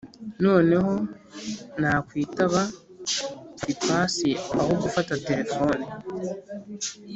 noneho nakwitaba nfata ipasi aho gufata telefone!